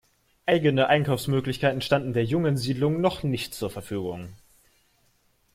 Eigene Einkaufsmöglichkeiten standen der jungen Siedlung noch nicht zur Verfügung.